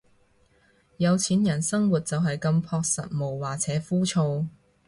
有錢人生活就係咁樸實無華且枯燥